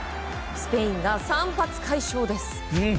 スペインが３発、快勝です。